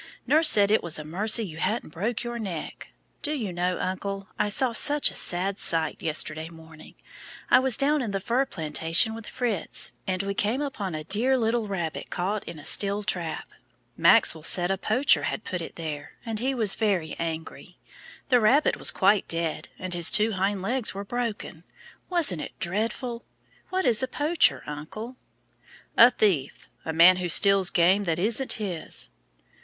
Nurse said it was a mercy you hadn't broken your neck. Do you know, uncle, I saw such a sad sight yesterday morning. I was down in the fir plantation with Fritz, and we came upon a dear little rabbit caught in a steel trap. Maxwell said a poacher had put it there, and he was very angry. The rabbit was quite dead, and his two hind legs were broken. Wasn't it dreadful? What is a poacher, uncle?" "A thief a man that steals game that isn't his."